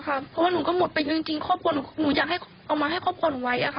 เพราะว่าหนูก็หมดไปจริงขอบควรหนูอยากเอามาให้ขอบควรไว้อ่ะค่ะ